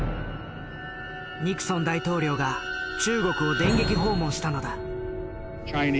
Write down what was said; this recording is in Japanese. ニクソン大統領が中国を電撃訪問したのだ。